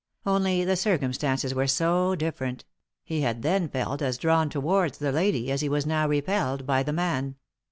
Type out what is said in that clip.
Only the circum stances were so different; he had then felt as drawn towards the lady as he was now repelled by the man.